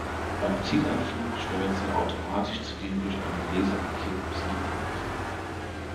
Beim Zielanflug steuert sie automatisch zu dem durch einen Laser markierten Zielpunkt.